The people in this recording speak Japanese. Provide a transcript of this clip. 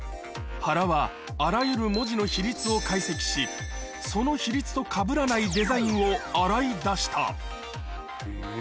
原は、あらゆる文字の比率を解析し、その比率とかぶらないデザインを洗い出した。